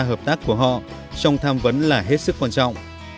hợp tác của họ trong tham vấn là hết sức quan trọng